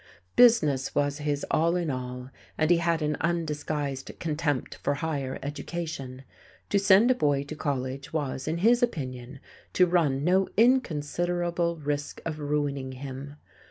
Business was his all in all, and he had an undisguised contempt for higher education. To send a boy to college was, in his opinion, to run no inconsiderable risk of ruining him.